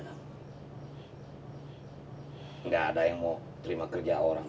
tidak ada yang mau terima kerja orang